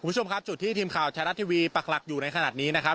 คุณผู้ชมครับจุดที่ทีมข่าวไทยรัฐทีวีปักหลักอยู่ในขณะนี้นะครับ